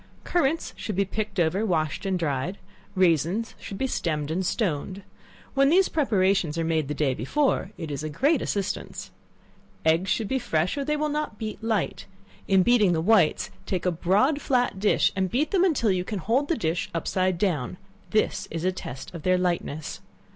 Currants should be picked over, washed and dried; raisins should be stemmed and stoned. When these preparations are made the day before, it is a great assistance. Eggs should be fresh, or they will not beat light: in beating the whites, take a broad flat dish, and beat them until you can hold the dish upside down, this is a test of their lightness.